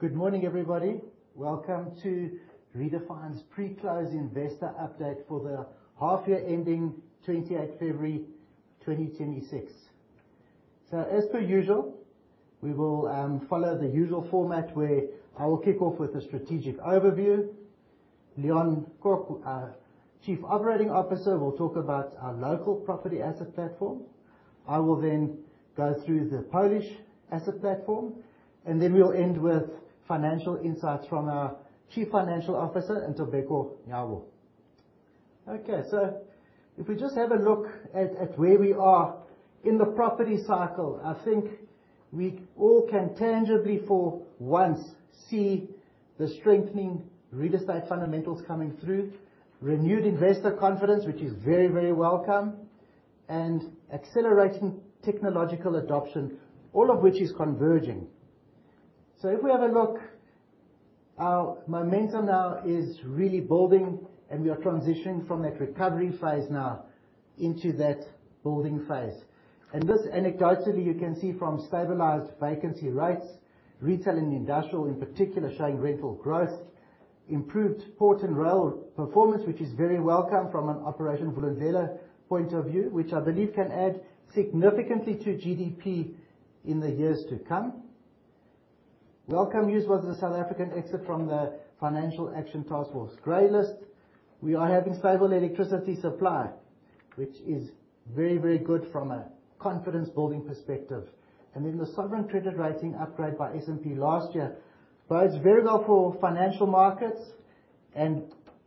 Good morning, everybody. Welcome to Redefine's pre-close investor update for the half year ending 28th February 2026. As per usual, we will follow the usual format where I will kick off with a strategic overview. Leon Kok, our Chief Operating Officer, will talk about our local property asset platform. I will then go through the Polish asset platform, and then we'll end with financial insights from our Chief Financial Officer, Ntobeko Nyawo. Okay. If we just have a look at where we are in the property cycle, I think we all can tangibly for once see the strengthening real estate fundamentals coming through, renewed investor confidence, which is very, very welcome, and accelerating technological adoption, all of which is converging. If we have a look, our momentum now is really building, and we are transitioning from that recovery phase now into that building phase. This anecdotally you can see from stabilized vacancy rates, retailing, industrial in particular, showing rental growth, improved port and rail performance, which is very welcome from an Operation Vulindlela point of view, which I believe can add significantly to GDP in the years to come. Welcome news was the South African exit from the Financial Action Task Force grey list. We are having stable electricity supply, which is very, very good from a confidence building perspective. The sovereign credit rating upgrade by S&P last year bodes very well for financial markets.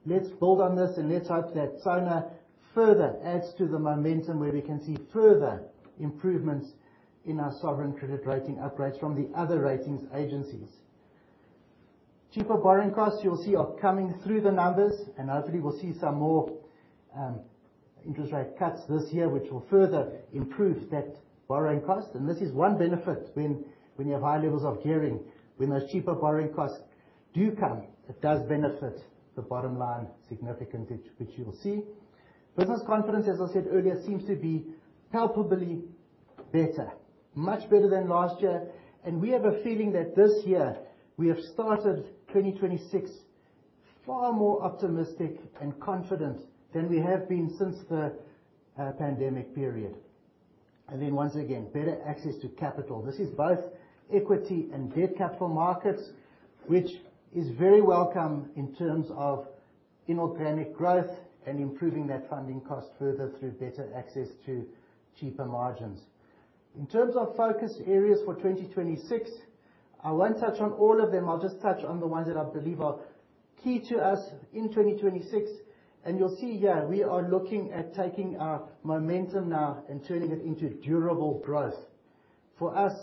Let's build on this, and let's hope that SoNA further adds to the momentum where we can see further improvements in our sovereign credit rating upgrades from the other ratings agencies. Cheaper borrowing costs, you'll see, are coming through the numbers and hopefully we'll see some more interest rate cuts this year, which will further improve that borrowing cost. This is one benefit when you have high levels of gearing, when those cheaper borrowing costs do come, it does benefit the bottom line significantly, which you will see. Business confidence, as I said earlier, seems to be palpably better, much better than last year, and we have a feeling that this year we have started 2026 far more optimistic and confident than we have been since the pandemic period. Once again, better access to capital. This is both equity and debt capital markets, which is very welcome in terms of inorganic growth and improving that funding cost further through better access to cheaper margins. In terms of focus areas for 2026, I won't touch on all of them. I'll just touch on the ones that I believe are key to us in 2026. You'll see here we are looking at taking our momentum now and turning it into durable growth. For us,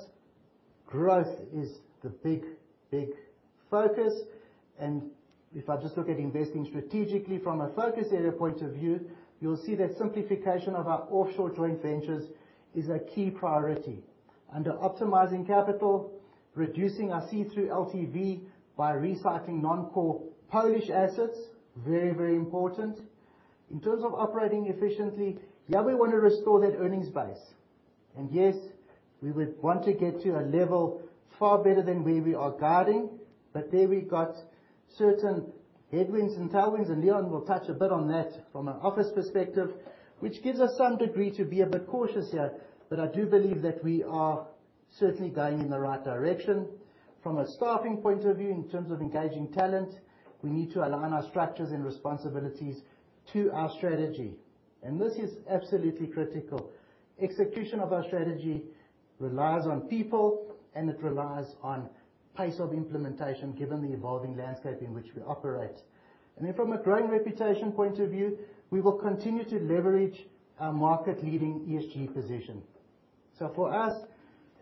growth is the big, big focus. If I just look at investing strategically from a focus area point of view, you'll see that simplification of our offshore joint ventures is a key priority. Under optimizing capital, reducing our see-through LTV by recycling non-core Polish assets, very, very important. In terms of operating efficiently, here we wanna restore that earnings base. Yes, we would want to get to a level far better than where we are guiding, but there we've got certain headwinds and tailwinds, and Leon will touch a bit on that from an office perspective, which gives us some degree to be a bit cautious here. I do believe that we are certainly going in the right direction. From a staffing point of view, in terms of engaging talent, we need to align our structures and responsibilities to our strategy, and this is absolutely critical. Execution of our strategy relies on people, and it relies on pace of implementation, given the evolving landscape in which we operate. From a growing reputation point of view, we will continue to leverage our market-leading ESG position. For us,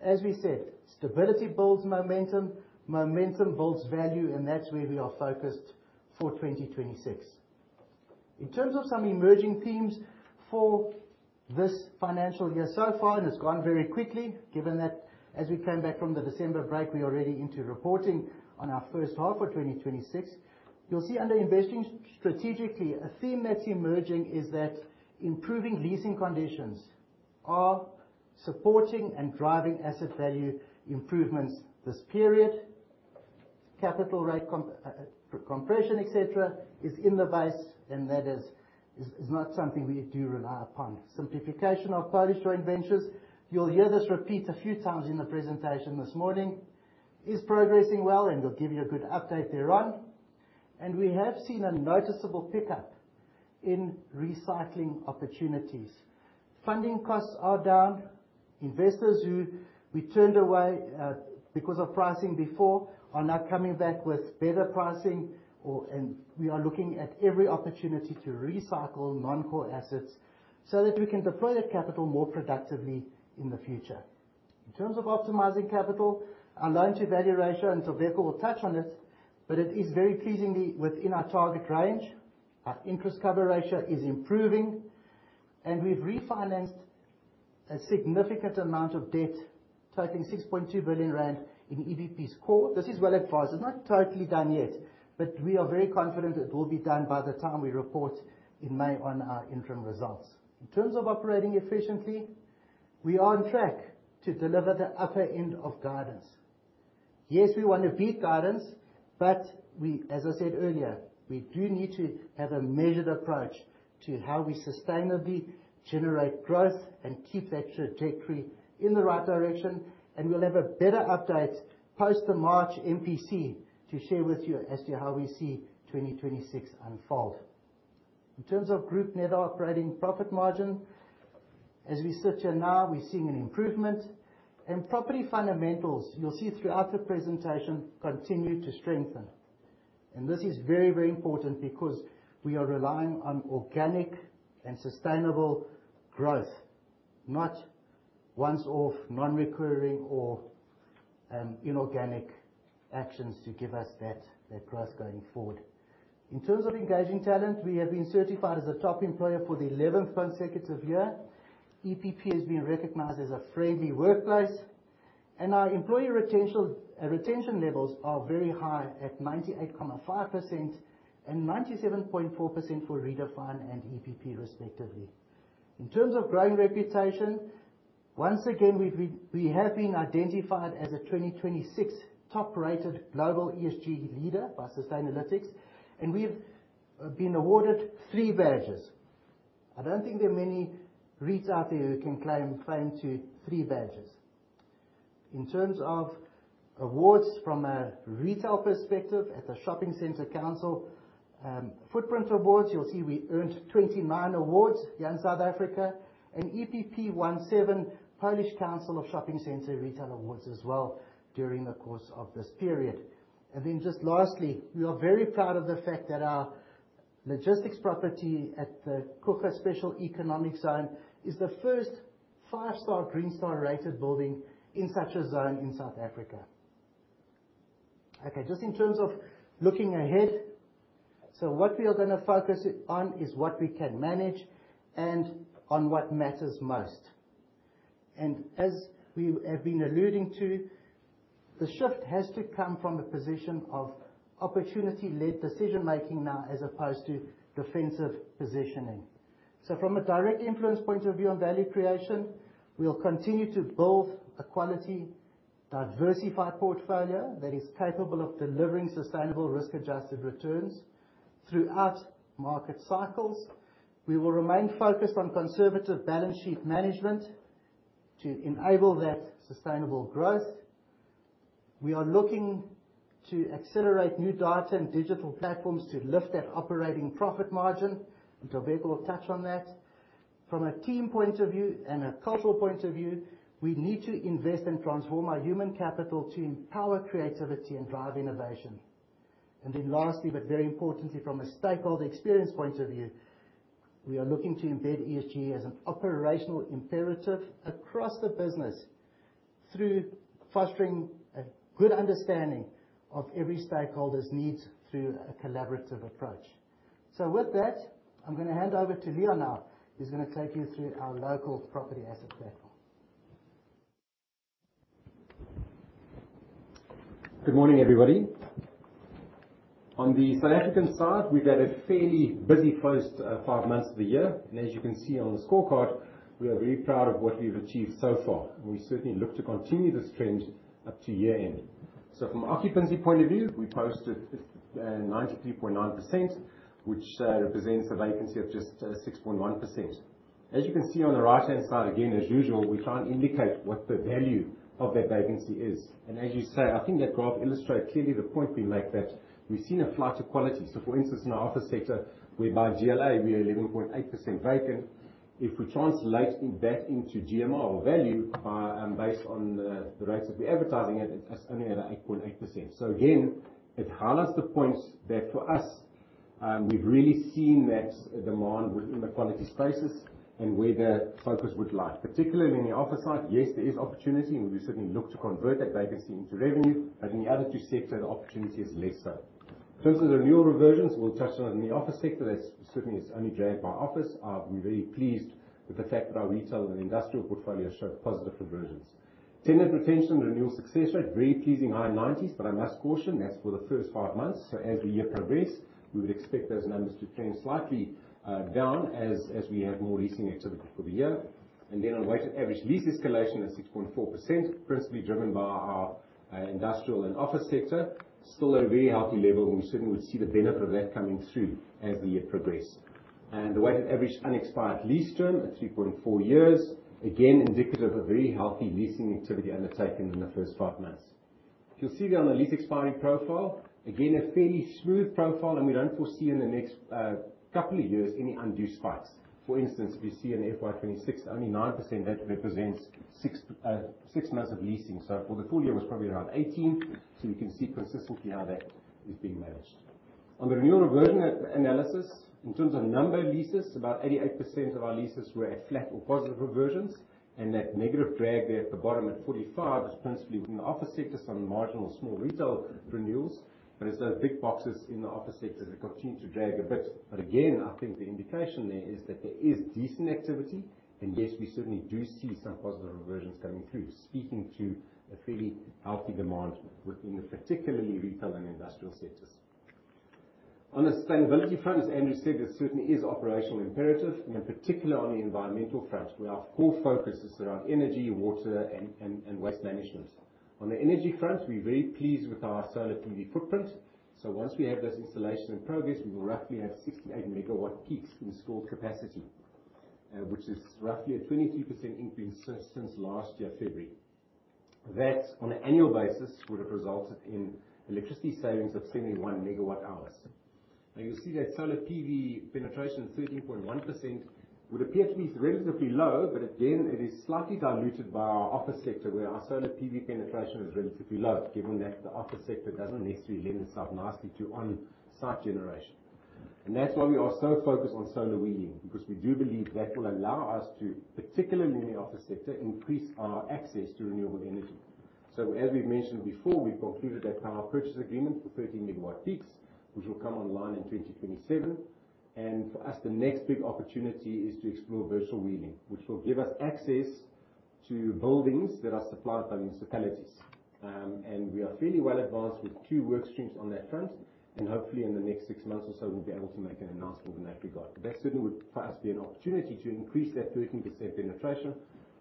as we said, stability builds momentum builds value, and that's where we are focused for 2026. In terms of some emerging themes for this financial year so far, and it's gone very quickly, given that as we came back from the December break, we are already into reporting on our first half of 2026. You'll see under investing strategically, a theme that's emerging is that improving leasing conditions are supporting and driving asset value improvements this period. Capital rate compression, et cetera, is in the base, and that is not something we do rely upon. Simplification of Polish joint ventures, you'll hear this repeat a few times in the presentation this morning, is progressing well, and we'll give you a good update thereon. We have seen a noticeable pickup in recycling opportunities. Funding costs are down. Investors who we turned away because of pricing before are now coming back with better pricing or. We are looking at every opportunity to recycle non-core assets so that we can deploy that capital more productively in the future. In terms of optimizing capital, our loan-to-value ratio, Ntobeko will touch on this, but it is very pleasingly within our target range. Our interest cover ratio is improving, and we've refinanced a significant amount of debt, totaling 6.2 billion rand in EPP's core. This is well advanced. It's not totally done yet, but we are very confident it will be done by the time we report in May on our interim results. In terms of operating efficiently, we are on track to deliver the upper end of guidance. Yes, we wanna beat guidance, but we, as I said earlier, we do need to have a measured approach to how we sustainably generate growth and keep that trajectory in the right direction. We'll have a better update post the March MPC to share with you as to how we see 2026 unfold. In terms of group net operating profit margin, as we sit here now, we're seeing an improvement. Property fundamentals, you'll see throughout the presentation, continue to strengthen. This is very, very important because we are relying on organic and sustainable growth. Not one-off, non-recurring or, inorganic actions to give us that growth going forward. In terms of engaging talent, we have been certified as a top employer for the 11th consecutive year. EPP has been recognized as a friendly workplace, and our employee retention levels are very high at 98.5% and 97.4% for Redefine and EPP respectively. In terms of growing reputation, once again, we have been identified as a 2026 top-rated global ESG leader by Sustainalytics, and we've been awarded three badges. I don't think there are many REITs out there who can claim to three badges. In terms of awards from a retail perspective at the South African Council of Shopping Centres footprint awards, you'll see we earned 29 awards here in South Africa, and EPP won seven Polish Council of Shopping Centres Retail Awards as well during the course of this period. Just lastly, we are very proud of the fact that our logistics property at the Coega Special Economic Zone is the first 5-star Green Star rated building in such a zone in South Africa. Okay, just in terms of looking ahead. What we are gonna focus on is what we can manage and on what matters most. As we have been alluding to, the shift has to come from a position of opportunity-led decision making now as opposed to defensive positioning. From a direct influence point of view on value creation, we will continue to build a quality, diversified portfolio that is capable of delivering sustainable risk-adjusted returns throughout market cycles. We will remain focused on conservative balance sheet management to enable that sustainable growth. We are looking to accelerate new data and digital platforms to lift that operating profit margin, and Ntobeko will touch on that. From a team point of view and a cultural point of view, we need to invest and transform our human capital to empower creativity and drive innovation. Then lastly, but very importantly, from a stakeholder experience point of view, we are looking to embed ESG as an operational imperative across the business through fostering a good understanding of every stakeholder's needs through a collaborative approach. With that, I'm gonna hand over to Leon now, who's gonna take you through our local property asset platform. Good morning, everybody. On the South African side, we've had a fairly busy first five months of the year. As you can see on the scorecard, we are very proud of what we've achieved so far, and we certainly look to continue this trend up to year end. From an occupancy point of view, we posted 93.9%, which represents a vacancy of just 6.1%. As you can see on the right-hand side, again, as usual, we try and indicate what the value of that vacancy is. As you say, I think that graph illustrates clearly the point we make that we've seen a flight to quality. For instance, in our office sector, whereby GLA, we are 11.8% vacant. If we translate that into GMR or value, based on the rates that we're advertising at, it's only at 8.8%. Again, it highlights the points that for us, we've really seen that demand within the quality spaces and where the focus would lie. Particularly in the office side, yes, there is opportunity and we certainly look to convert that vacancy into revenue, but in the other two sectors, the opportunity is lesser. In terms of the renewal reversions, we'll touch on in the office sector. That certainly is only dragged by office. We're very pleased with the fact that our retail and industrial portfolio show positive reversions. Tenant retention and renewal success rate, very pleasing high 90s, but I must caution that's for the first five months. As the year progressed, we would expect those numbers to trend slightly down as we have more leasing activity for the year. Our weighted average lease escalation is 6.4%, principally driven by our industrial and office sector. Still at a very healthy level, and we certainly would see the benefit of that coming through as the year progressed. The weighted average unexpired lease term at 3.4 years, again, indicative of very healthy leasing activity undertaken in the first five months. If you'll see there on the lease expiring profile, again, a fairly smooth profile, and we don't foresee in the next couple of years any undue spikes. For instance, if you see in FY 2026, only 9%, that represents six months of leasing. For the full year, it was probably around 18%. You can see consistently how that is being managed. On the renewal reversion analysis, in terms of number of leases, about 88% of our leases were at flat or positive reversions, and that negative drag there at the bottom at 45 is principally within the office sector, some marginal small retail renewals. It's those big boxes in the office sector that continue to drag a bit. Again, I think the indication there is that there is decent activity and yes, we certainly do see some positive reversions coming through. Speaking to a fairly healthy demand within the particularly retail and industrial sectors. On the sustainability front, as Andrew said, that certainly is operational imperative, and in particular on the environmental front, where our core focus is around energy, water, and waste management. On the energy front, we're very pleased with our solar PV footprint. Once we have those installations in progress, we will roughly have 68 MW peaks in stored capacity, which is roughly a 23% increase since last year, February. That, on an annual basis, would have resulted in electricity savings of 71 MWh. Now you'll see that solar PV penetration, 13.1%, would appear to be relatively low, but again, it is slightly diluted by our office sector, where our solar PV penetration is relatively low, given that the office sector doesn't necessarily lend itself nicely to on-site generation. That's why we are so focused on solar wheeling, because we do believe that will allow us to, particularly in the office sector, increase our access to renewable energy. As we've mentioned before, we concluded that power purchase agreement for 13 MW peaks, which will come online in 2027. For us, the next big opportunity is to explore virtual wheeling, which will give us access to buildings that are supplied by municipalities. We are fairly well advanced with two work streams on that front, and hopefully in the next six months or so, we'll be able to make an announcement in that regard. That certainly would for us be an opportunity to increase that 13% penetration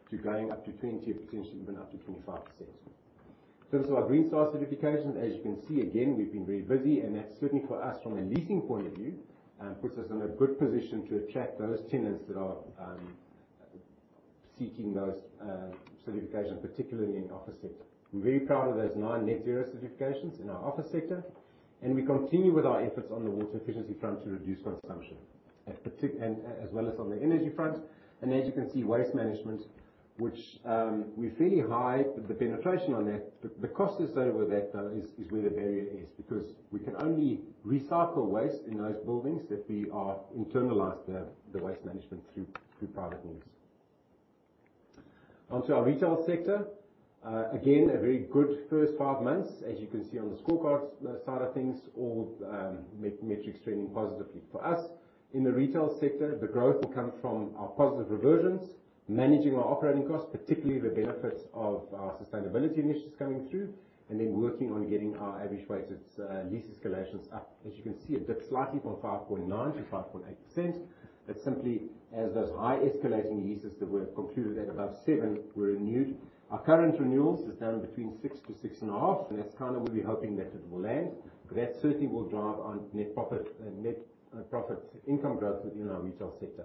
to going up to 20, or potentially even up to 25%. In terms of our Green Star certification, as you can see, again, we've been very busy, and that's certainly for us from a leasing point of view, puts us in a good position to attract those tenants that are seeking those certifications, particularly in the office sector. I'm very proud of those nine net zero certifications in our office sector, and we continue with our efforts on the water efficiency front to reduce consumption, as well as on the energy front. As you can see, waste management, which we're fairly high, the penetration on that. The cost associated with that, though, is where the barrier is, because we can only recycle waste in those buildings that we are internalized the waste management through private means. Onto our retail sector. Again, a very good first five months, as you can see on the scorecards side of things, all metrics trending positively. For us, in the retail sector, the growth will come from our positive reversions, managing our operating costs, particularly the benefits of our sustainability initiatives coming through, and then working on getting our average weighted lease escalations up. As you can see, it dipped slightly from 5.9% to 5.8%. That's simply as those high escalating leases that were concluded at above 7% were renewed. Our current renewals is down between 6% to 6.5%, and that's kind of where we're hoping that it will land. That certainly will drive our net profit and net profit income growth within our retail sector.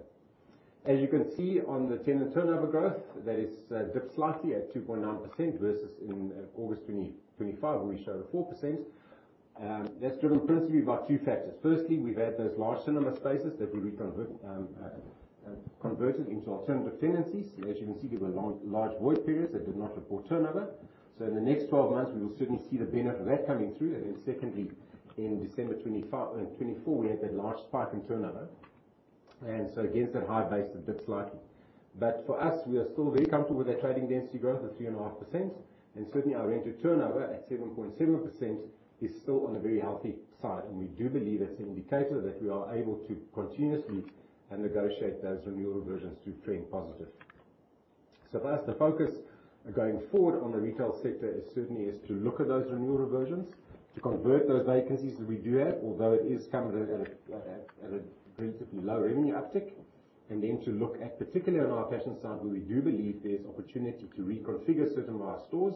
As you can see on the tenant turnover growth, that is dipped slightly at 2.9% versus in August 2025, where we showed a 4%. That's driven principally by two factors. Firstly, we've had those large cinema spaces that we converted into alternative tenancies. As you can see, there were long, large void periods that did not report turnover. In the next 12 months, we will certainly see the benefit of that coming through. Then secondly, in December 2024, we had that large spike in turnover. Against that high base, it dipped slightly. For us, we are still very comfortable with that trading density growth of 3.5%. Certainly our rented turnover at 7.7% is still on a very healthy side. We do believe that's an indicator that we are able to continuously negotiate those renewal reversions to trend positive. For us, the focus going forward on the retail sector is certainly to look at those renewal reversions, to convert those vacancies that we do have, although it is coming at a relatively low revenue uptick. Then to look at, particularly on our fashion side, where we do believe there's opportunity to reconfigure certain of our stores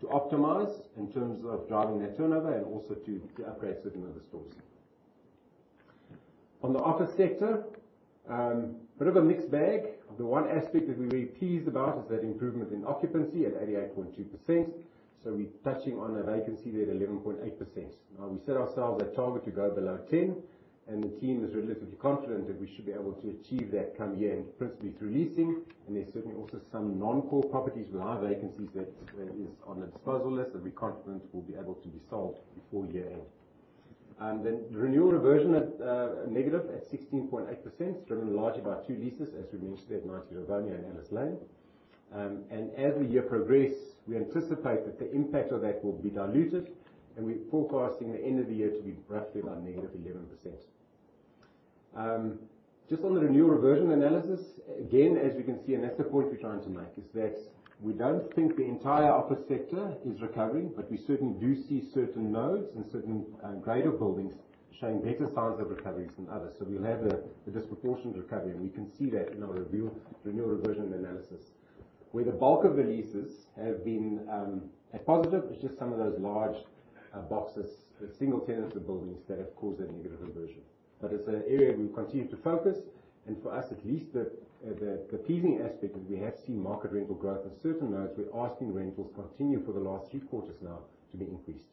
to optimize in terms of driving that turnover and also to upgrade certain of the stores. On the office sector, bit of a mixed bag. The one aspect that we're very pleased about is that improvement in occupancy at 88.2%. We're touching on a vacancy rate, 11.8%. Now we set ourselves a target to go below 10, and the team is relatively confident that we should be able to achieve that come year-end, principally through leasing. There's certainly also some non-core properties with high vacancies that is on the disposal list that we're confident will be able to be sold before year-end. The renewal reversion at negative 16.8% is driven largely by two leases, as we mentioned, at 90 Rivonia and Alice Lane. As the year progress, we anticipate that the impact of that will be diluted, and we're forecasting the end of the year to be roughly about negative 11%. Just on the renewal reversion analysis, again, as you can see, and that's the point we're trying to make, is that we don't think the entire office sector is recovering, but we certainly do see certain nodes and certain grade-A buildings showing better signs of recoveries than others. We'll have the disproportionate recovery, and we can see that in our review renewal reversion analysis. Where the bulk of the leases have been a positive, it's just some of those large boxes, single tenancy buildings that have caused that negative reversion. But it's an area we continue to focus, and for us, at least the pleasing aspect is we have seen market rental growth at certain nodes, where asking rentals continue for the last three quarters now to be increased.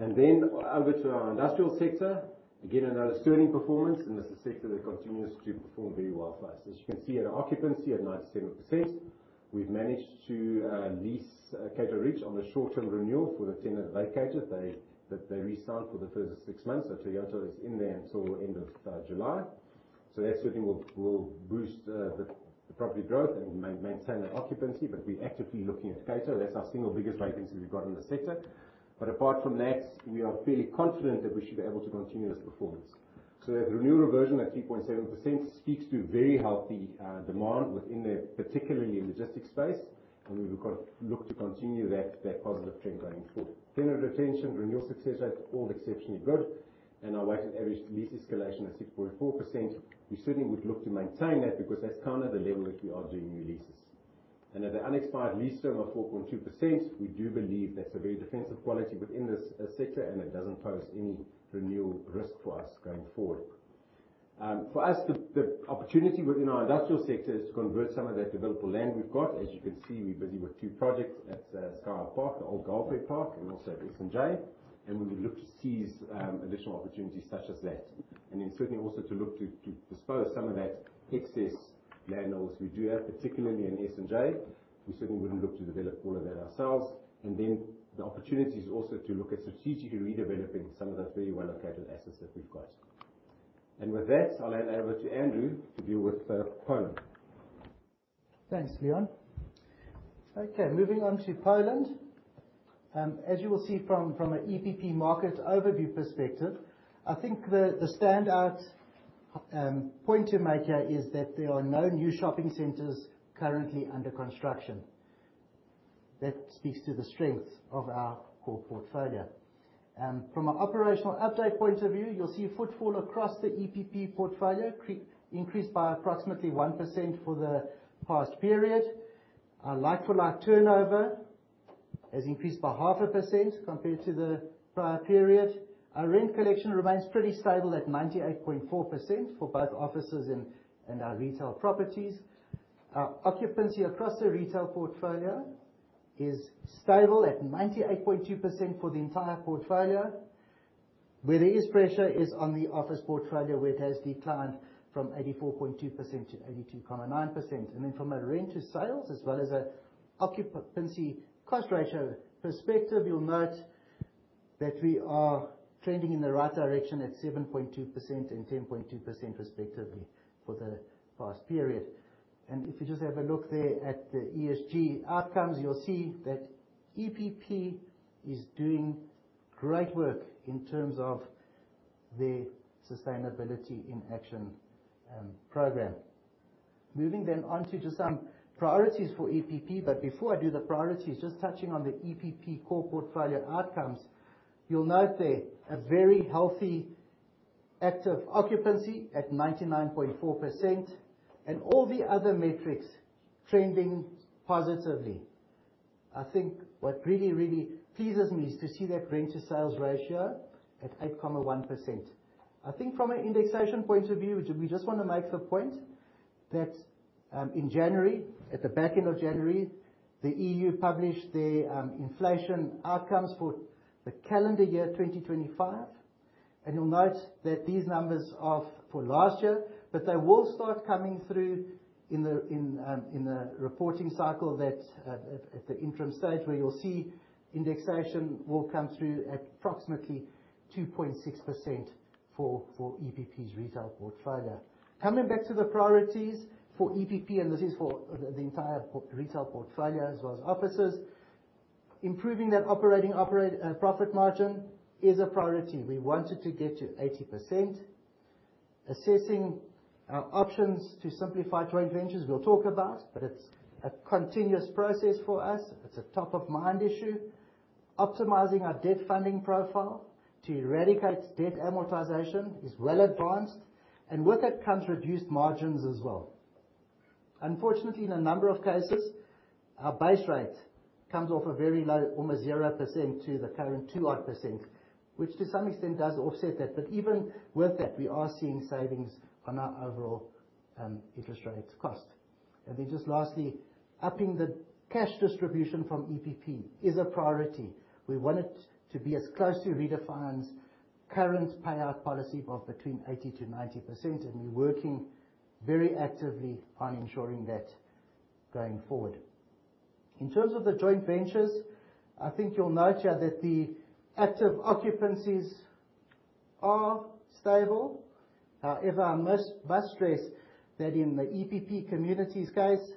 Over to our industrial sector. Again, another sterling performance, and that's a sector that continues to perform very well for us. As you can see, at an occupancy of 97%, we've managed to lease Cato Ridge on a short-term renewal for the tenant that vacated. They resigned for the first six months. Toyota is in there until end of July. That certainly will boost the property growth and maintain that occupancy. We're actively looking at Cato. That's our single biggest vacancy we've got in the sector. Apart from that, we are fairly confident that we should be able to continue this performance. The renewal version at 3.7% speaks to very healthy demand within, particularly in logistics space. We would kind of look to continue that positive trend going forward. Tenant retention, renewal success rates, all exceptionally good. Our weighted average lease escalation is 6.4%. We certainly would look to maintain that because that's kind of the level that we are doing new leases. At the unexpired lease term of 4.2%, we do believe that's a very defensive quality within this sector, and it doesn't pose any renewal risk to us going forward. For us, the opportunity within our industrial sector is to convert some of that developable land we've got. As you can see, we're busy with two projects at Sky Park, the old Golf Park, and also at S&J. We would look to seize additional opportunities such as that. Then certainly also to look to dispose some of that excess land holdings we do have, particularly in S&J. We certainly wouldn't look to develop all of that ourselves. Then the opportunity is also to look at strategically redeveloping some of that very well-located assets that we've got. With that, I'll hand over to Andrew to deal with Poland. Thanks, Leon. Okay, moving on to Poland. As you will see from an EPP market overview perspective, I think the standout point to make here is that there are no new shopping centers currently under construction. That speaks to the strength of our core portfolio. From an operational update point of view, you'll see footfall across the EPP portfolio increased by approximately 1% for the past period. Our like-for-like turnover has increased by 0.5% compared to the prior period. Our rent collection remains pretty stable at 98.4% for both offices and our retail properties. Our occupancy across the retail portfolio is stable at 98.2% for the entire portfolio. Where there is pressure is on the office portfolio, where it has declined from 84.2% to 82.9%. From a rent to sales, as well as a occupancy cost ratio perspective, you'll note that we are trending in the right direction at 7.2% and 10.2% respectively for the past period. If you just have a look there at the ESG outcomes, you'll see that EPP is doing great work in terms of their sustainability in action program. Moving then on to just some priorities for EPP. Before I do the priorities, just touching on the EPP core portfolio outcomes. You'll note there a very healthy active occupancy at 99.4%, and all the other metrics trending positively. I think what really, really pleases me is to see that rent to sales ratio at 8.1%. I think from an indexation point of view, we just wanna make the point that in January, at the back end of January, the EU published their inflation outcomes for the calendar year 2025. You'll note that these numbers are for last year, but they will start coming through in the reporting cycle at the interim stage, where you'll see indexation will come through at approximately 2.6% for EPP's retail portfolio. Coming back to the priorities for EPP, this is for the entire retail portfolio as well as offices. Improving that operating profit margin is a priority. We wanted to get to 80%. Assessing our options to simplify joint ventures, we'll talk about, but it's a continuous process for us. It's a top of mind issue. Optimizing our debt funding profile to eradicate debt amortization is well advanced, and with it comes reduced margins as well. Unfortunately, in a number of cases, our base rate comes off a very low, almost 0% to the current 2-odd%, which to some extent does offset that. Even with that, we are seeing savings on our overall interest rates cost. Just lastly, upping the cash distribution from EPP is a priority. We want it to be as close to Redefine's current payout policy of between 80%-90%, and we're working very actively on ensuring that going forward. In terms of the joint ventures, I think you'll note here that the active occupancies are stable. However, I must stress that in the EPP Community case,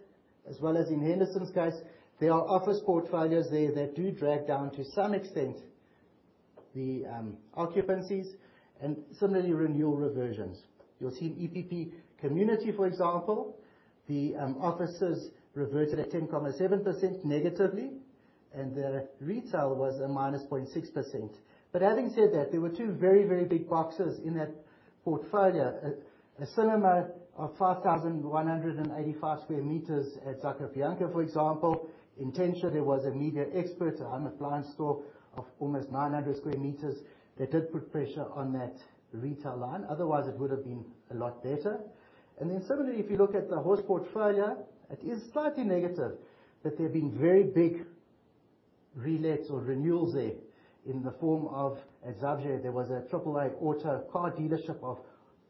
as well as in Henderson's case, there are office portfolios there that do drag down to some extent the occupancies and similarly renewal reversions. You'll see in EPP Community, for example, the offices reverted at -10.7%, and the retail was -0.6%. Having said that, there were two very, very big boxes in that portfolio. A cinema of 5,185 sq m at Zakopianka, for example. In Tęcza, there was a Media Expert, a home appliance store of almost 900 sq m that did put pressure on that retail line. Otherwise, it would have been a lot better. Similarly, if you look at the Horse portfolio, it is slightly negative, but there have been very big relets or renewals there in the form of, at Zabrze, there was a AAA AUTO car dealership of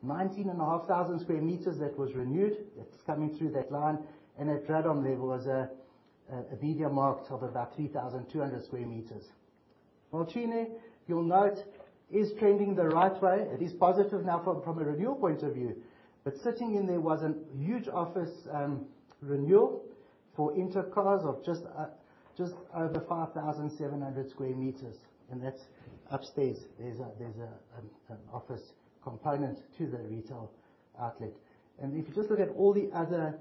19,500 sq m that was renewed. That's coming through that line. At Radom, there was a MediaMarkt of about 3,200 sq m. Młociny, you'll note, is trending the right way. It is positive now from a renewal point of view. But sitting in there was a huge office renewal for Inter Cars of just over 5,700 sq m, and that's upstairs. There's an office component to the retail outlet. If you just look at all the other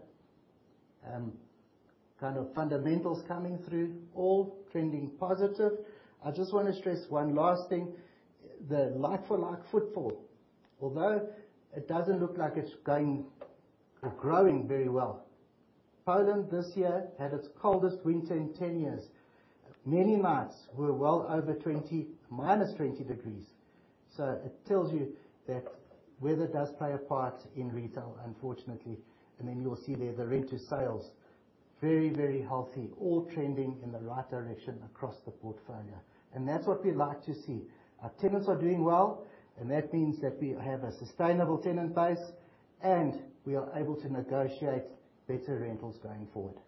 kind of fundamentals coming through, all trending positive. I just wanna stress one last thing. The like-for-like footfall, although it doesn't look like it's going or growing very well. Poland this year had its coldest winter in 10 years. Many months were well over 20, -20 degrees. It tells you that weather does play a part in retail, unfortunately. Then you'll see there the rent to sales, very, very healthy, all trending in the right direction across the portfolio. That's what we like to see. Our tenants are doing well, and that means that we have a sustainable tenant base, and we are able to negotiate better rentals going forward.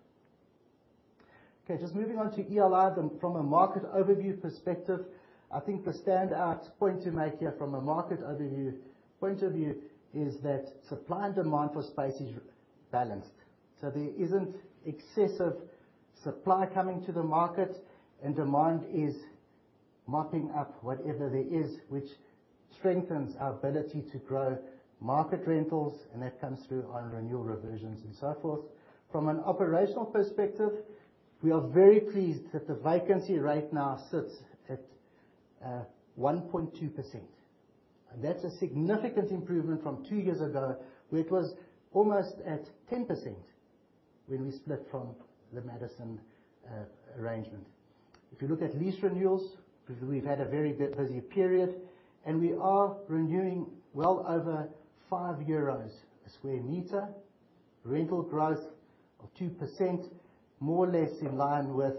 Okay. Just moving on to ELI. From a market overview perspective, I think the standout point to make here from a market overview point of view is that supply and demand for space is balanced. There isn't excessive supply coming to the market, and demand is mopping up whatever there is, which strengthens our ability to grow market rentals, and that comes through on renewal revisions and so forth. From an operational perspective, we are very pleased that the vacancy rate now sits at 1.2%. That's a significant improvement from two years ago, where it was almost at 10% when we split from the Madison arrangement. If you look at lease renewals, we've had a very busy period, and we are renewing well over 5 euros a square meter. Rental growth of 2%, more or less in line with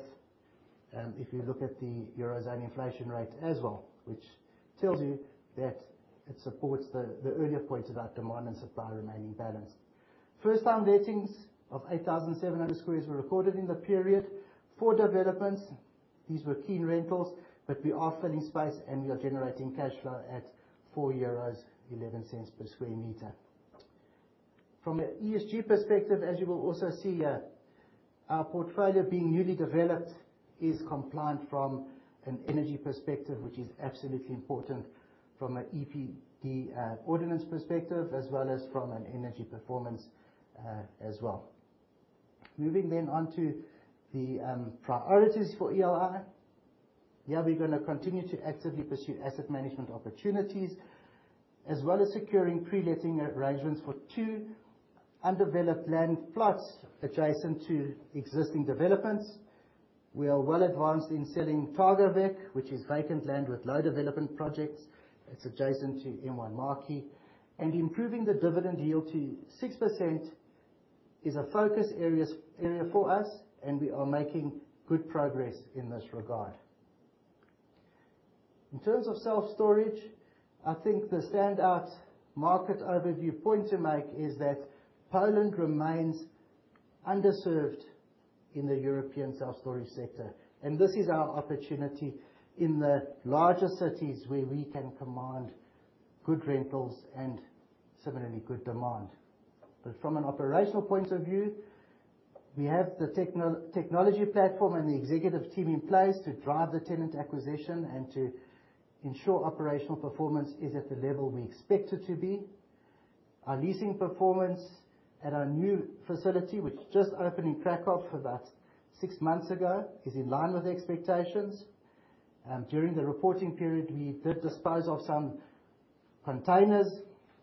if you look at the Eurozone inflation rate as well, which tells you that it supports the earlier points about demand and supply remaining balanced. First-time lettings of 8,700 sq m were recorded in the period. 4 developments, these were key rentals, but we are filling space, and we are generating cash flow at 4.11 euros per sq m. From an ESG perspective, as you will also see here, our portfolio being newly developed is compliant from an energy perspective, which is absolutely important from an EPBD ordinance perspective, as well as from an energy performance, as well. Moving on to the priorities for ELI. Here, we're gonna continue to actively pursue asset management opportunities, as well as securing pre-letting arrangements for two undeveloped land plots adjacent to existing developments. We are well advanced in selling Targówek, which is vacant land with low development projects. It's adjacent to M1 Marki. Improving the dividend yield to 6% is a focus area for us, and we are making good progress in this regard. In terms of self-storage, I think the standout market overview point to make is that Poland remains underserved in the European self-storage sector. This is our opportunity in the larger cities where we can command good rentals and similarly good demand. From an operational point of view, we have the technology platform and the executive team in place to drive the tenant acquisition and to ensure operational performance is at the level we expect it to be. Our leasing performance at our new facility, which just opened in Kraków about six months ago, is in line with expectations. During the reporting period, we did dispose of some containers.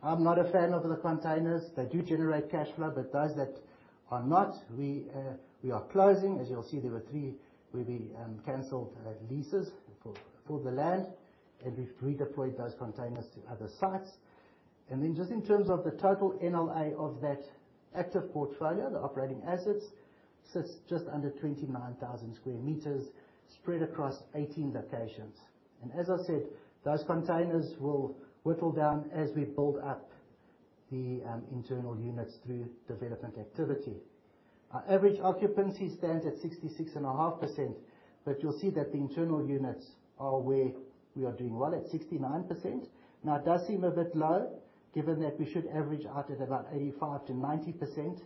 I'm not a fan of the containers. They do generate cash flow, but those that are not, we are closing. As you'll see, there were three where we canceled leases for the land, and we've redeployed those containers to other sites. Then just in terms of the total NLA of that active portfolio, the operating assets, sits just under 29,000 sq m spread across 18 locations. As I said, those containers will whittle down as we build up the internal units through development activity. Our average occupancy stands at 66.5%, but you'll see that the internal units are where we are doing well, at 69%. Now, it does seem a bit low, given that we should average out at about 85%-90%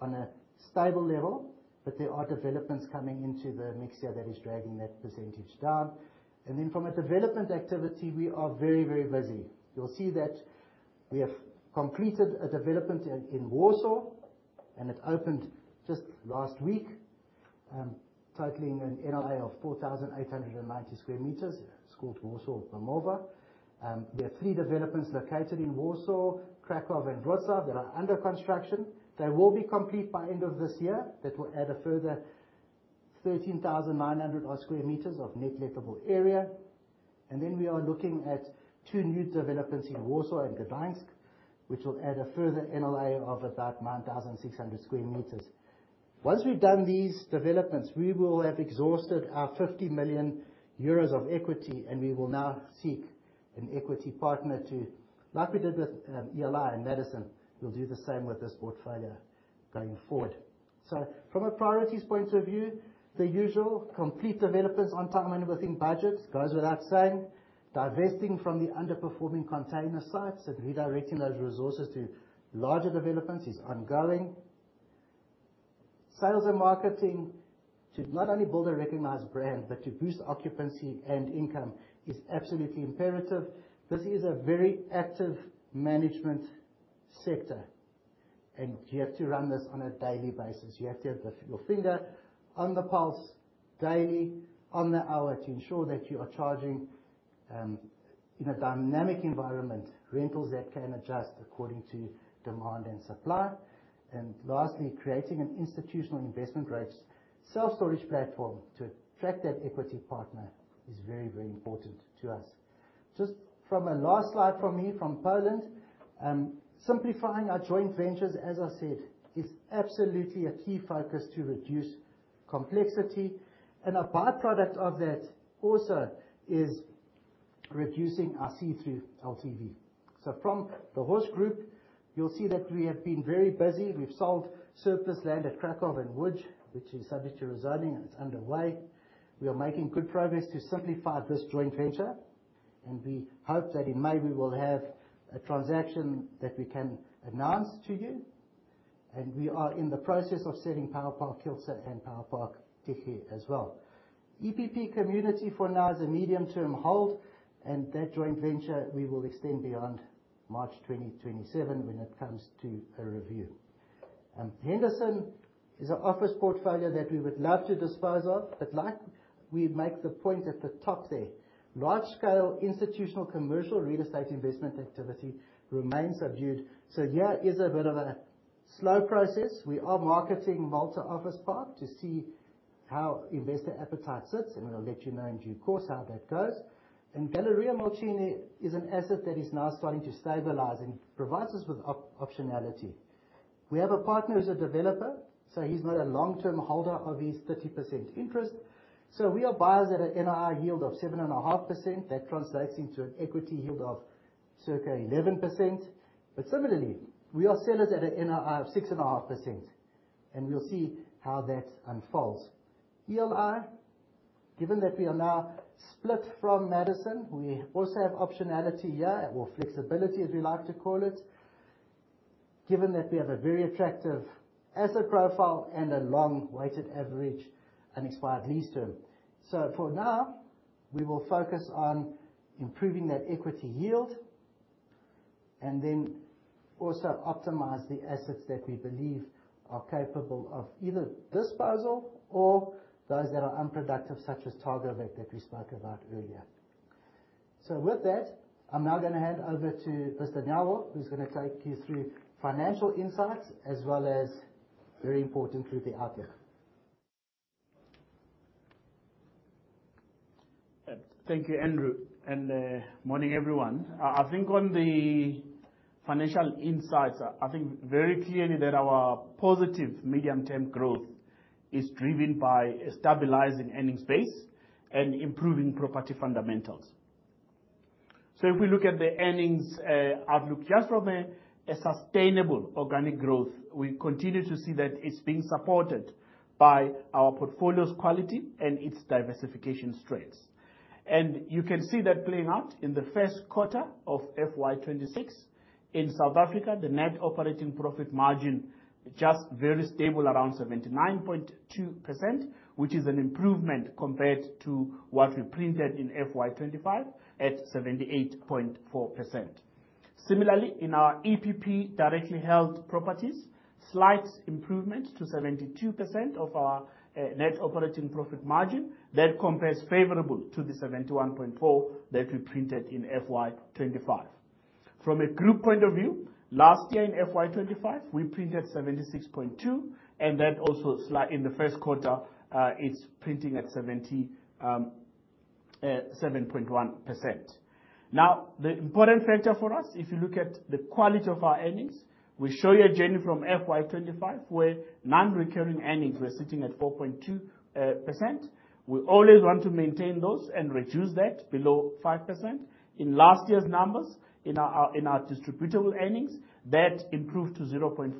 on a stable level, but there are developments coming into the mix here that is dragging that percentage down. From a development activity, we are very, very busy. You'll see that we have completed a development in Warsaw, and it opened just last week, totaling an NLA of 4,890 sq m. It's called Warsaw Bemowo. There are three developments located in Warsaw, Kraków, and Wrocław that are under construction. They will be complete by end of this year. That will add a further 13,900 sq m of net lettable area. We are looking at two new developments in Warsaw and Gdańsk, which will add a further NLA of about 9,600 sq m. Once we've done these developments, we will have exhausted our 50 million euros of equity, and we will now seek an equity partner to, like we did with, ELI and Madison, we'll do the same with this portfolio going forward. From a priorities point of view, the usual complete developments on time and within budgets, goes without saying. Divesting from the underperforming container sites and redirecting those resources to larger developments is ongoing. Sales and marketing to not only build a recognized brand, but to boost occupancy and income is absolutely imperative. This is a very active management sector, and you have to run this on a daily basis. You have to have your finger on the pulse daily, on the hour to ensure that you are charging, in a dynamic environment, rentals that can adjust according to demand and supply. Lastly, creating an institutional investment grade self-storage platform to attract that equity partner is very, very important to us. Just from a last slide from me from Poland, simplifying our joint ventures, as I said, is absolutely a key focus to reduce complexity. A by-product of that also is reducing our see-through LTV. From the Horse Group, you'll see that we have been very busy. We've sold surplus land at Kraków and Łódź, which is subject to rezoning, and it's underway. We are making good progress to simplify this joint venture, and we hope that in May we will have a transaction that we can announce to you. We are in the process of selling Power Park Kielce and Power Park Tychy as well. EPP Community for now is a medium term hold, and that joint venture we will extend beyond March 2027 when it comes to a review. Henderson is an office portfolio that we would love to dispose of, but like we make the point at the top there, large scale institutional commercial real estate investment activity remains subdued. Here is a bit of a slow process. We are marketing Malta Office Park to see how investor appetite sits, and we'll let you know in due course how that goes. Galeria Młociny is an asset that is now starting to stabilize and provides us with optionality. We have a partner who's a developer, so he's not a long-term holder of his 30% interest. We are buyers at an IRR yield of 7.5%. That translates into an equity yield of circa 11%. Similarly, we are sellers at an IRR of 6.5%, and we'll see how that unfolds. ELI, given that we are now split from Madison, we also have optionality here, or flexibility, as we like to call it, given that we have a very attractive asset profile and a long weighted average unexpired lease term. For now, we will focus on improving that equity yield and then also optimize the assets that we believe are capable of either disposal or those that are unproductive, such as Targówek that we spoke about earlier. With that, I'm now gonna hand over to Mr. Nyawo, who's gonna take you through financial insights as well as very importantly, the outlook. Thank you, Andrew, and morning, everyone. I think on the financial insights very clearly that our positive medium-term growth is driven by a stabilizing earnings base and improving property fundamentals. If we look at the earnings outlook just from a sustainable organic growth, we continue to see that it's being supported by our portfolio's quality and its diversification strengths. You can see that playing out in the first quarter of FY 2026. In South Africa, the net operating profit margin just very stable around 79.2%, which is an improvement compared to what we printed in FY 2025 at 78.4%. Similarly, in our EPP directly held properties, slight improvement to 72% of our net operating profit margin. That compares favorably to the 71.4 that we printed in FY 2025. From a group point of view, last year in FY 2025, we printed 76.2. In the first quarter, it's printing at 77.1%. Now, the important factor for us, if you look at the quality of our earnings, we show you a journey from FY 2025, where non-recurring earnings were sitting at 4.2%. We always want to maintain those and reduce that below 5%. In last year's numbers in our distributable earnings, that improved to 0.4%.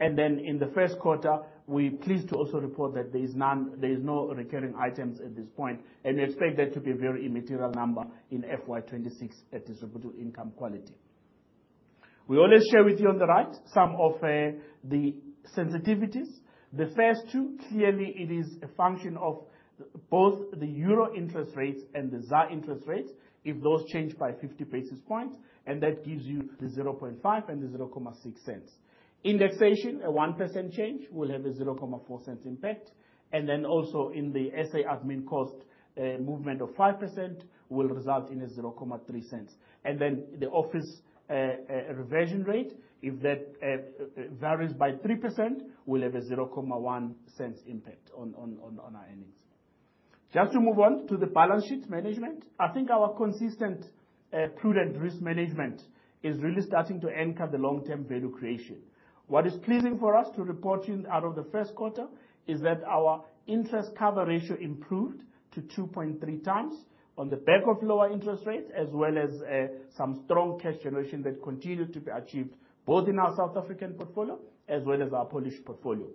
In the first quarter, we're pleased to also report that there's no non-recurring items at this point, and we expect that to be a very immaterial number in FY 2026 at distributable income quality. We always share with you on the right some of the sensitivities. The first two, clearly it is a function of both the euro interest rates and the ZAR interest rates. If those change by 50 basis points, that gives you the 0.005 and the 0.006. Indexation, a 1% change will have a 0.004 impact. In the SA admin cost, a movement of 5% will result in a 0.003. The office reversion rate, if that varies by 3%, will have a 0.001 impact on our earnings. Just to move on to the balance sheet management. I think our consistent prudent risk management is really starting to anchor the long-term value creation. What is pleasing for us to report into the first quarter is that our interest cover ratio improved to 2.3x on the back of lower interest rates, as well as some strong cash generation that continued to be achieved both in our South African portfolio as well as our Polish portfolio.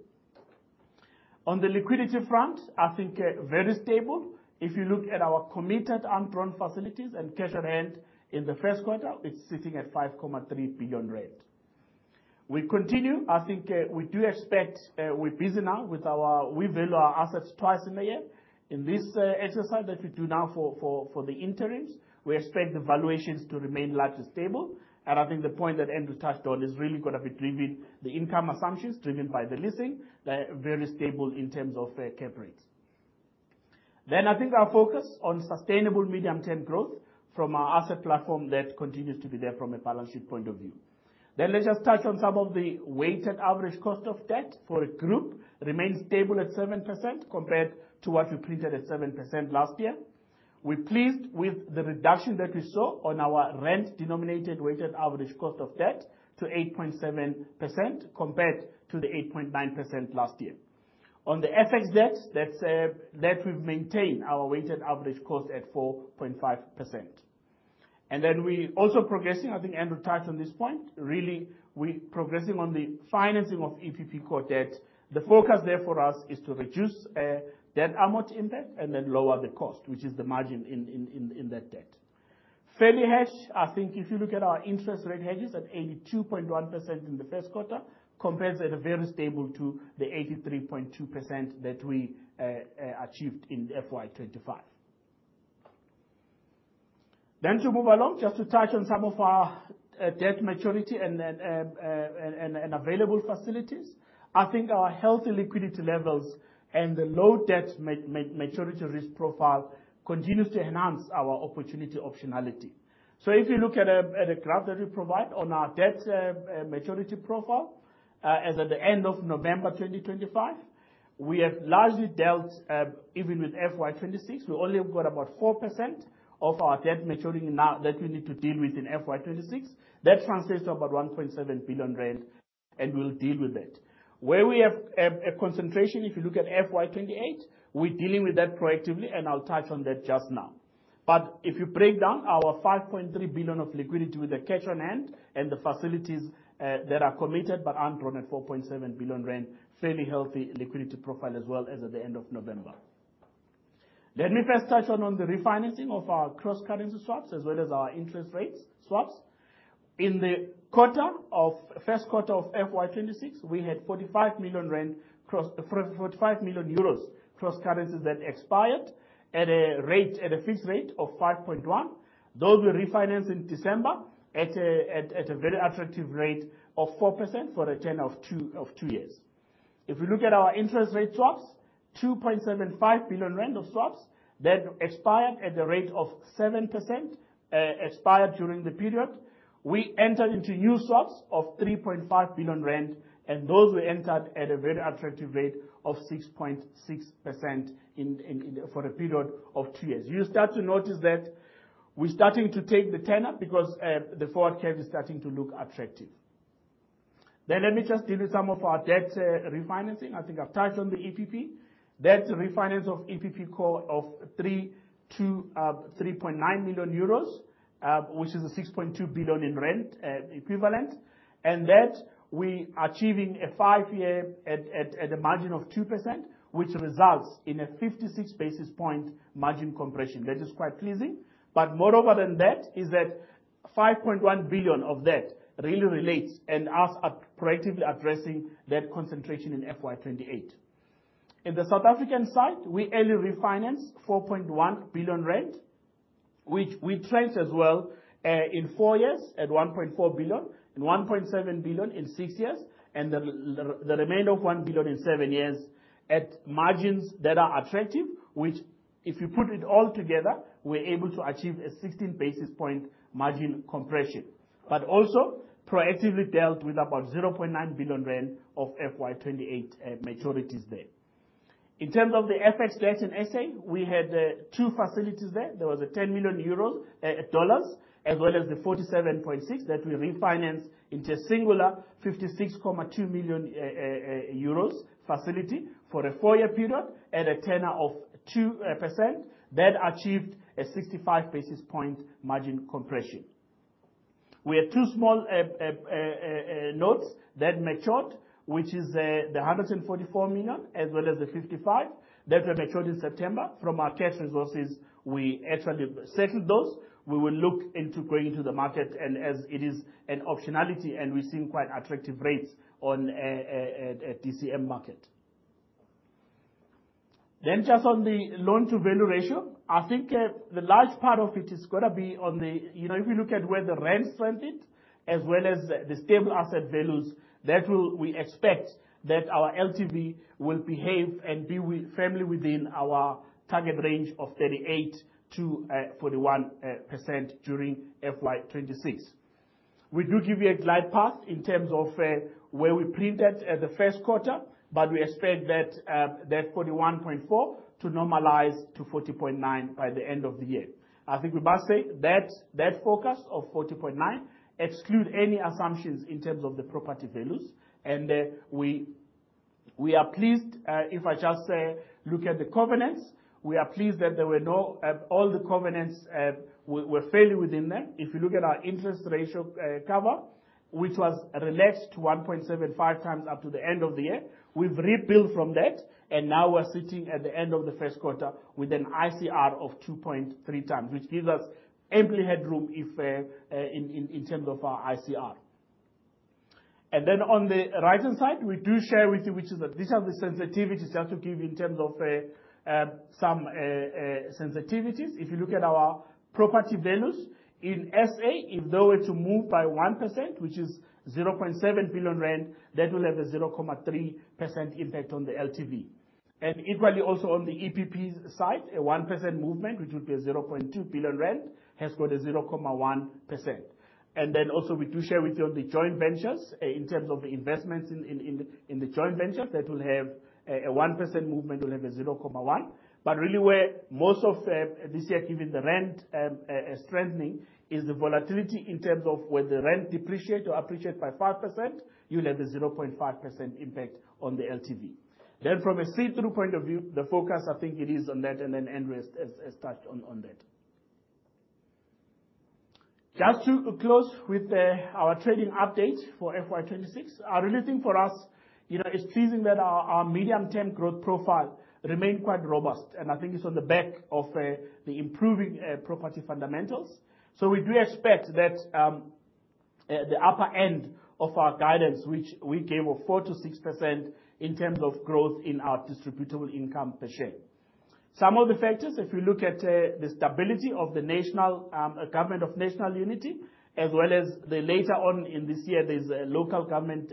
On the liquidity front, I think very stable. If you look at our committed undrawn facilities and cash on hand in the first quarter, it's sitting at 5.3 billion. We're busy now with our valuation exercise. We value our assets twice a year. In this exercise that we do now for the interims, we expect the valuations to remain largely stable. I think the point that Andrew touched on is really gonna be driven, the income assumptions driven by the leasing. They're very stable in terms of cap rates. I think our focus on sustainable medium-term growth from our asset platform, that continues to be there from a balance sheet point of view. Let's just touch on some of the weighted average cost of debt for the group. Remains stable at 7% compared to what we printed at 7% last year. We're pleased with the reduction that we saw on our rand-denominated weighted average cost of debt to 8.7% compared to the 8.9% last year. On the FX debt, let's say, that we've maintained our weighted average cost at 4.5%. We're also progressing, I think Andrew touched on this point, really we're progressing on the financing of EPP core debt. The focus there for us is to reduce debt amount impact and then lower the cost, which is the margin in that debt. Fairly hedged. I think if you look at our interest rate hedges at 82.1% in the first quarter, compares at a very stable to the 83.2% that we achieved in FY 2025. To move along, just to touch on some of our debt maturity and then and available facilities. I think our healthy liquidity levels and the low debt maturity risk profile continues to enhance our opportunity optionality. If you look at a graph that we provide on our debt maturity profile as at the end of November 2025, we have largely dealt even with FY 2026. We've only got about 4% of our debt maturing now that we need to deal with in FY 2026. That translates to about 1.7 billion rand, and we'll deal with that. Where we have a concentration, if you look at FY 2028, we're dealing with that proactively, and I'll touch on that just now. If you break down our 5.3 billion of liquidity with the cash on hand and the facilities that are committed but undrawn at 4.7 billion rand, fairly healthy liquidity profile as well as at the end of November. Let me first touch on the refinancing of our cross currency swaps as well as our interest rates swaps. In the first quarter of FY 2026, we had 45 million cross currencies that expired at a fixed rate of 5.1%. Those were refinanced in December at a very attractive rate of 4% for a tenure of two years. If we look at our interest rate swaps, 2.75 billion rand of swaps that expired at the rate of 7% expired during the period. We entered into new swaps of 3.5 billion rand, and those were entered at a very attractive rate of 6.6% for a period of two years. You'll start to notice that we're starting to take the tenor because the forward curve is starting to look attractive. Let me just give you some of our debt refinancing. I think I've touched on the EPP. That refinance of EPP core of 3-3.9 million euros, which is a 6.2 billion equivalent. That we are achieving a five-year at a margin of 2%, which results in a 56-basis point margin compression. That is quite pleasing. Moreover than that, is that 5.1 billion of that really relates and us proactively addressing that concentration in FY 2028. On the South African side, we early refinanced 4.1 billion rand, which we transched as well, in four years at 1.4 billion, and 1.7 billion in six years, and the remainder of 1 billion in seven years at margins that are attractive. If you put it all together, we're able to achieve a 16 basis point margin compression. We also proactively dealt with about 0.9 billion rand of FY 2028 maturities there. In terms of the FX debt in SA, we had two facilities there. There was a 10 million dollars, as well as the 47.6 million that we refinanced into a single 56.2 million euros facility for a four-year period at a tenor of 2%. That achieved a 65-basis point margin compression. We had two small notes that matured, which is the 144 million as well as the 55 million that were matured in September. From our cash resources, we actually settled those. We will look into going to the market and as it is an optionality, and we're seeing quite attractive rates on the DMTN market. Just on the loan-to-value ratio. I think the large part of it is gonna be on the, you know, if you look at where the rents trended, as well as the stable asset values, that will, we expect that our LTV will behave and be firmly within our target range of 38%-41% during FY 2026. We do give you a glide path in terms of where we printed at the first quarter, but we expect that 41.4% to normalize to 40.9% by the end of the year. I think we must say that the LTV of 40.9% excludes any assumptions in terms of the property values. We are pleased if I just look at the covenants, that all the covenants were fairly within there. If you look at our interest cover ratio, which was relaxed 1.75x up to the end of the year. We've rebuilt from that, and now we're sitting at the end of the first quarter with an ICR of 2.3x, which gives us ample headroom in terms of our ICR. On the right-hand side, we do share with you which is that these are the sensitivities you have to give in terms of some sensitivities. If you look at our property values in SA, if they were to move by 1%, which is 0.7 billion rand, that will have a 0.3% impact on the LTV. Equally also on the EPP side, a 1% movement, which will be 0.2 billion rand, has got a 0.1%. We also share with you on the joint ventures in terms of the investments in the joint ventures that will have a 1% movement will have a 0.1. But really where most of this year, given the rand strengthening, is the volatility in terms of where the rand depreciate or appreciate by 5%, you'll have a 0.5% impact on the LTV. From a see-through point of view, the focus I think it is on that and Andrew has touched on that. Just to close with our trading update for FY 2026. I really think for us, you know, it's pleasing that our medium-term growth profile remain quite robust, and I think it's on the back of the improving property fundamentals. We do expect that the upper end of our guidance, which we gave of 4%-6% in terms of growth in our distributable income per share. Some of the factors, if you look at the stability of the national Government of National Unity, as well as later on in this year, there's local government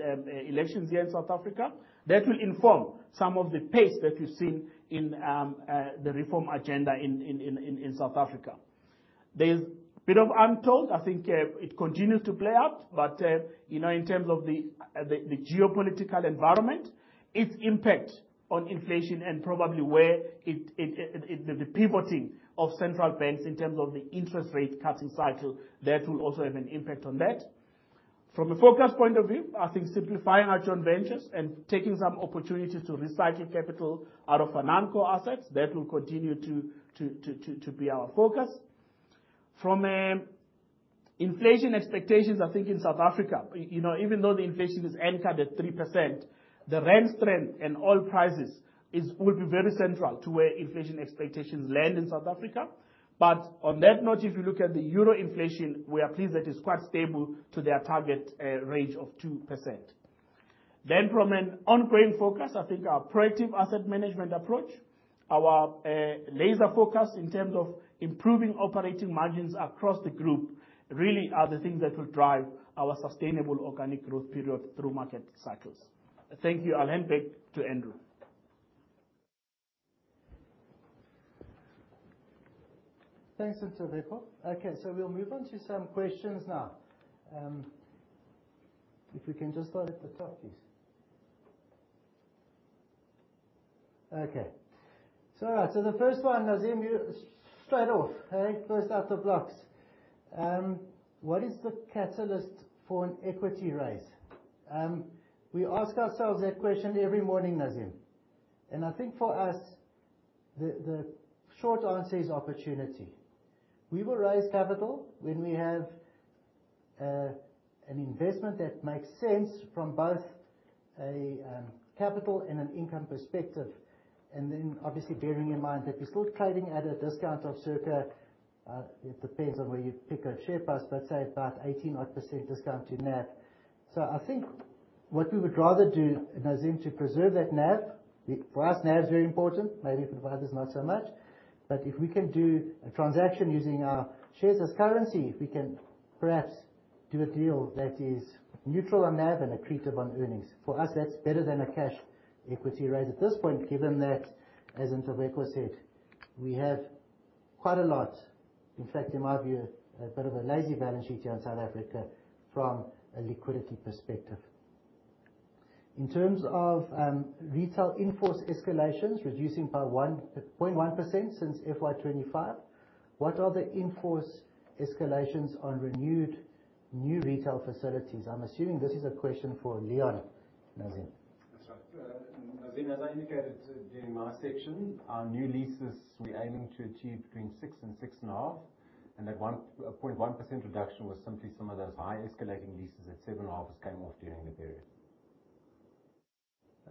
elections here in South Africa. That will inform some of the pace that we've seen in the reform agenda in South Africa. There's a bit of uncertainty, I think, it continues to play out. You know, in terms of the geopolitical environment, its impact on inflation and probably where the pivoting of central banks in terms of the interest rate cutting cycle, that will also have an impact on that. From a focus point of view, I think simplifying our joint ventures and taking some opportunities to recycle capital out of non-core assets, that will continue to be our focus. From inflation expectations, I think in South Africa, you know, even though the inflation is anchored at 3%, the rand strength and oil prices will be very central to where inflation expectations land in South Africa. On that note, if you look at the euro inflation, we are pleased that it's quite stable to their target range of 2%. From an ongoing focus, I think our proactive asset management approach, our laser focus in terms of improving operating margins across the group, really are the things that will drive our sustainable organic growth period through market cycles. Thank you. I'll hand back to Andrew. Thanks, Ntobeko. We'll move on to some questions now. If we can just start at the top, please. The first one, Nazeem, you straight off, first out the blocks. What is the catalyst for an equity raise? We ask ourselves that question every morning, Nazeem. I think for us, the short answer is opportunity. We will raise capital when we have an investment that makes sense from both a capital and an income perspective. Then obviously bearing in mind that we're still trading at a discount of circa it depends on where you pick a share price, let's say about 18% discount to NAV. I think what we would rather do, Nazeem, to preserve that NAV, for us, NAV is very important, maybe for others, not so much. If we can do a transaction using our shares as currency, we can perhaps do a deal that is neutral on NAV and accretive on earnings. For us, that's better than a cash equity raise. At this point, given that, as Ntobeko said, we have quite a lot, in fact, in my view, a bit of a lazy balance sheet here in South Africa from a liquidity perspective. In terms of retail in-force escalations reducing by 1.1% since FY 2025, what are the in-force escalations on renewed new retail facilities? I'm assuming this is a question for Leon, Nazeem. That's right. Nazeem, as I indicated during my section, our new leases, we're aiming to achieve between 6% and 6.5%. That 1.1% reduction was simply some of those high escalating leases that 7.5% just came off during the period.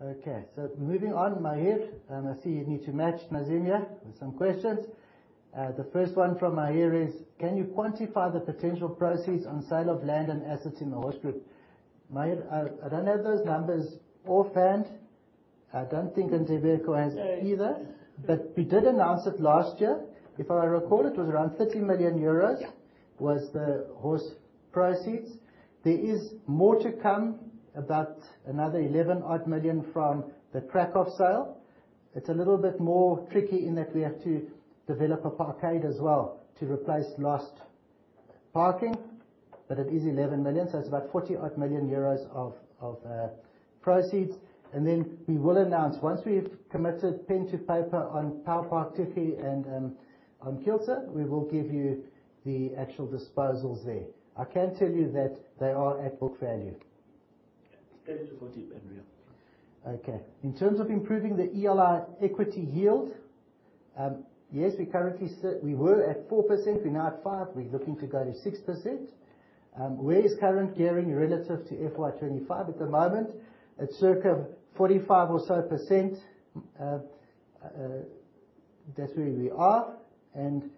Okay. Moving on, Maher, I see you need to match Nazeem here with some questions. The first one from Maher is: Can you quantify the potential proceeds on sale of land and assets in the Horse Group? Maher, I don't have those numbers offhand. I don't think Ntobeko has either. No. We did announce it last year. If I recall, it was around 30 million euros. Yeah. was the Horse proceeds. There is more to come, about another 11-odd million from the Kraków land sale. It's a little bit more tricky in that we have to develop a parkade as well to replace lost parking, but it is 11 million, so it's about 40-odd million euros of proceeds. Then we will announce once we've committed pen to paper on Power Park Tychy and on Kielce, we will give you the actual disposals there. I can tell you that they are at book value. Yeah. Stay with us for deep, Andrew. Okay. In terms of improving the ELI equity yield, yes, we were at 4%, we're now at 5%, we're looking to go to 6%. Where is current gearing relative to FY 2025? At the moment, it's circa 45% or so. That's where we are, and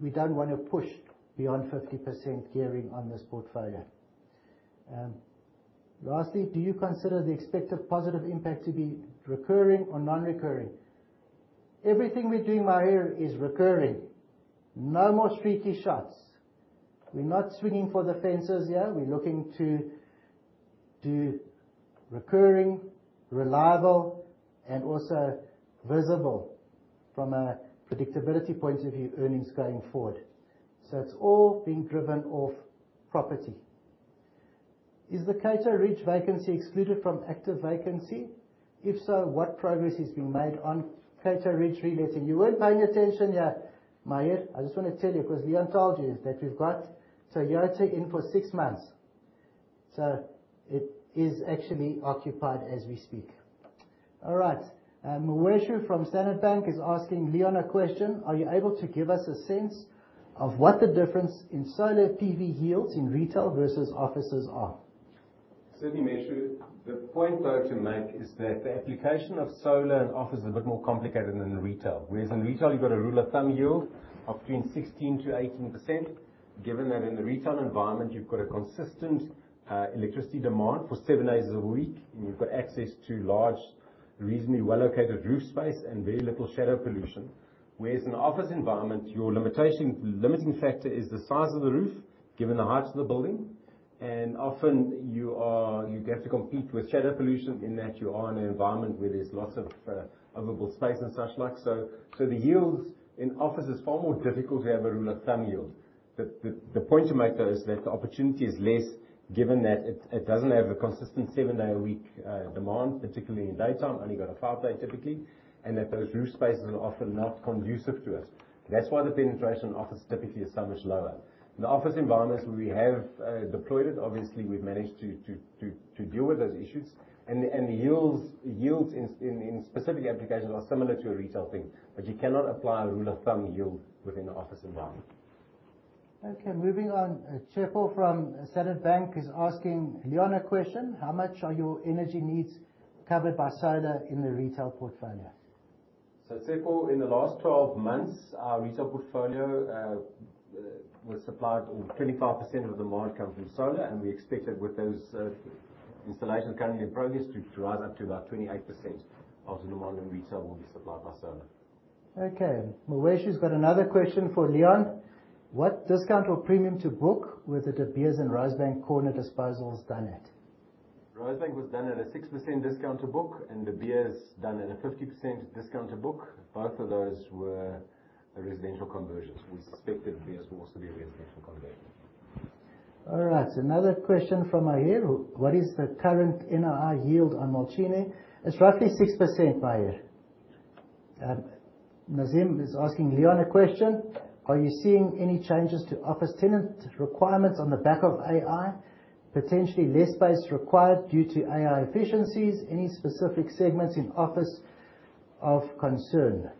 we don't wanna push beyond 50% gearing on this portfolio. Lastly, do you consider the expected positive impact to be recurring or non-recurring? Everything we're doing, Maher, is recurring. No more streaky shots. We're not swinging for the fences here. We're looking to do recurring, reliable, and also visible from a predictability point of view, earnings going forward. It's all being driven off property. Is the Cato Ridge vacancy excluded from active vacancy? If so, what progress is being made on Cato Ridge reletting? You weren't paying attention here, Maher. I just wanna tell you, 'cause Leon told you, that we've got Sahana checked in for six months. It is actually occupied as we speak. All right. Mawethu from Standard Bank is asking Leon a question. Are you able to give us a sense of what the difference in solar PV yields in retail versus offices are? Certainly, Mawethu. The point I would like to make is that the application of solar and office is a bit more complicated than retail. Whereas in retail you've got a rule of thumb yield of between 16%-18%, given that in the retail environment you've got a consistent electricity demand for seven days a week, and you've got access to large, reasonably well-located roof space and very little shadow pollution. Whereas in office environment, your limitation, limiting factor is the size of the roof, given the height of the building. Often you have to compete with shadow pollution in that you are in an environment where there's lots of available space and such like. The yields in office is far more difficult to have a rule of thumb yield. The point to make, though, is that the opportunity is less, given that it doesn't have a consistent seven-day-a-week demand, particularly in daytime. Only a five-day typically, and those roof spaces are often not conducive to us. That's why the office penetration typically is so much lower. In the office environments where we have deployed it, obviously we've managed to deal with those issues. The yields in specific applications are similar to a retail thing, but you cannot apply a rule of thumb yield within an office environment. Okay, moving on. Tshepo from Standard Bank is asking Leon a question. How much are your energy needs covered by solar in the retail portfolio? Tshepo, in the last 12 months, our retail portfolio, 25% of the market comes from solar, and we expect that with those installations currently in progress to rise up to about 28% of the new model retail will be supplied by solar. Okay. Mawethu's got another question for Leon. What discount or premium to book was it De Beers and Rosebank Corner disposals done at? Rosebank was done at a 6% discount to book, and the De Beers done at a 50% discount to book. Both of those were residential conversions. We suspected De Beers will also be a residential conversion. All right. Another question from Maher. What is the current NOI yield on Młociny? It's roughly 6%, Maher. Nazeem is asking Leon a question. Are you seeing any changes to office tenant requirements on the back of AI? Potentially less space required due to AI efficiencies. Any specific segments in office of concern?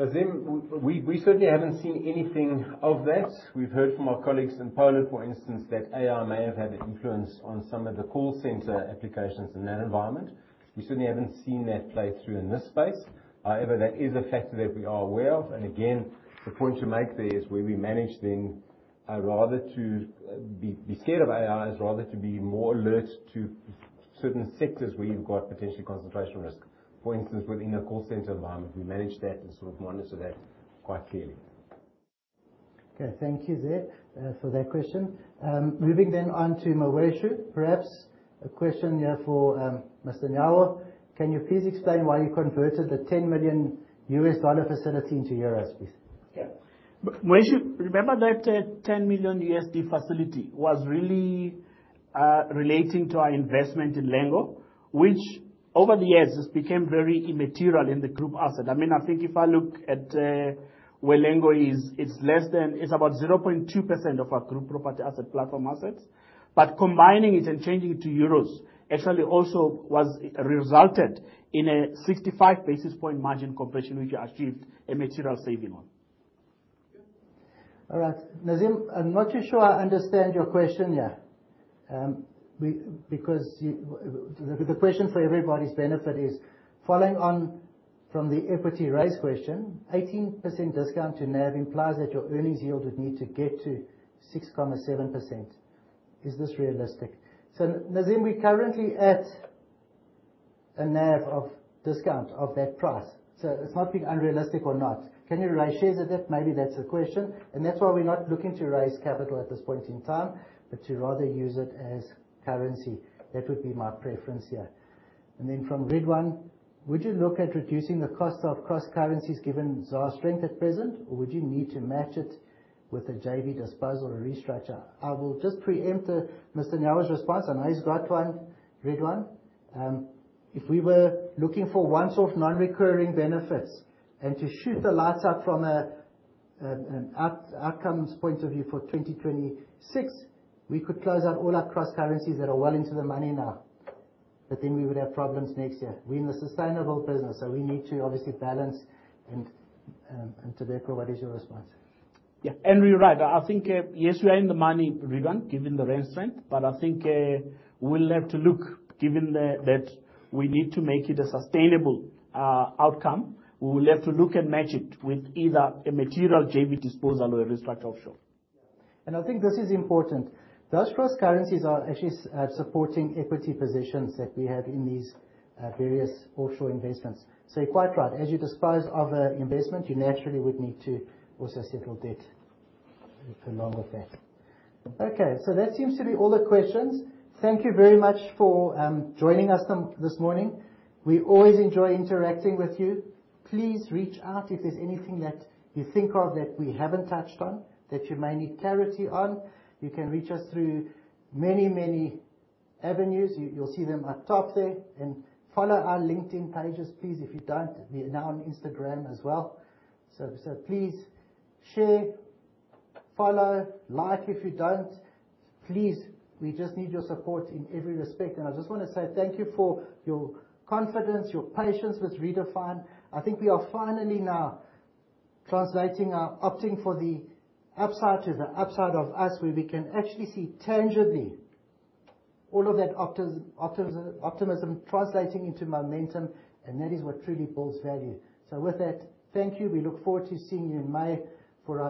Nazeem, we certainly haven't seen anything of that. We've heard from our colleagues in Poland, for instance, that AI may have had influence on some of the call center applications in that environment. We certainly haven't seen that play through in this space. However, that is a factor that we are aware of. Again, the point to make there is rather than to be scared of AI is rather to be more alert to certain sectors where you've got potential concentration risk. For instance, within a call center environment, we manage that and sort of monitor that quite clearly. Okay, thank you, [Maher] for that question. Moving on to Mawethu. Perhaps a question here for Mr. Nyawo. Can you please explain why you converted the $10 million U.S. dollar facility into euros, please? Yeah, Mawethu, remember that $10 million facility was really relating to our investment in Lango, which over the years has became very immaterial in the group asset. I mean, I think if I look at where Lango is, it's less than. It's about 0.2% of our group property asset, platform assets. Combining it and changing to euros actually also was resulted in a 65-basis point margin compression, which achieved a material saving on. All right. Nazeem, I'm not too sure I understand your question here. Because the question for everybody's benefit is, following on from the equity raise question, 18% discount to NAV implies that your earnings yield would need to get to 6.7%. Is this realistic? Nazeem, we're currently at a NAV discount to that price, so it's not being unrealistic or not. Can you rationalize that? Maybe that's the question, and that's why we're not looking to raise capital at this point in time, but to rather use it as currency. That would be my preference, yeah. From Ridwaan Loonat, would you look at reducing the cost of cross currencies given ZAR strength at present, or would you need to match it with a JV disposal or restructure? I will just preempt Ntobeko Nyawo's response. I know he's got one, Ridwaan. If we were looking for one-off non-recurring benefits and to shoot the lights out from outcomes point of view for 2026, we could close out all our cross currencies that are well into the money now. Then we would have problems next year. We're in a sustainable business, so we need to obviously balance. Today, Pro, what is your response? Yeah, you're right. I think yes, we are in the money, Ridwaan, given the rand strength. I think we'll have to look, given that we need to make it a sustainable outcome. We will have to look and match it with either a material JV disposal or a restructure offshore. Yeah. I think this is important. Those cross currencies are actually supporting equity positions that we have in these various offshore investments. You're quite right. As you dispose of a investment, you naturally would need to also settle debt along with that. Okay, that seems to be all the questions. Thank you very much for joining us this morning. We always enjoy interacting with you. Please reach out if there's anything that you think of that we haven't touched on, that you may need clarity on. You can reach us through many, many avenues. You, you'll see them up top there. Follow our LinkedIn pages, please, if you don't. We're now on Instagram as well. Please share, follow, like if you don't. Please, we just need your support in every respect. I just wanna say thank you for your confidence, your patience with Redefine. I think we are finally now opting for the upside of us, where we can actually see tangibly all of that optimism translating into momentum, and that is what truly builds value. With that, thank you. We look forward to seeing you in May for our-